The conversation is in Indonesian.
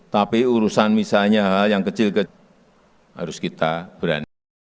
tapi urusan misalnya hal yang kecil kecil harus kita berani